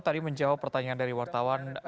tadi menjawab pertanyaan dari wartawan